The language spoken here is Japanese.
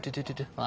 ああ。